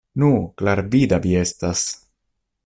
Nu, klarvida vi estas!